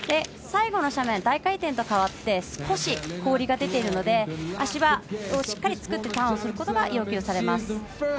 最後の斜面、大回転と変わって少し氷が出ているので足場をしっかり作ってターンをすることが要求されます。